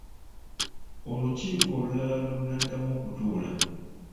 Olukiiko olulala lwe lunaddamu okutuula.